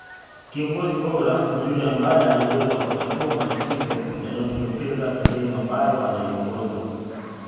kiongozi bora ni yule ambae ana uwezo wa kutatua matatizo yanayojitokeza sehemu ambayo anaiongoza